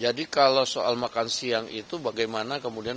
jadi kalau soal makan siang itu bagaimana kemudian